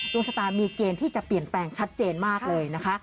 ดวงชะตามีเกณฑ์ที่จะเปลี่ยนแปลงชัดเจนมากเลยนะคะ